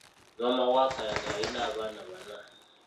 Maama wa Kayaga yalina abaana bana.